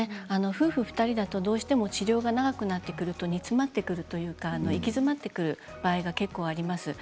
夫婦２人だとどうしても治療が長くなってくると煮詰まってくるというか行き詰まってくる場合が結構あります。